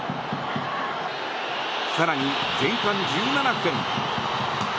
更に、前半１７分。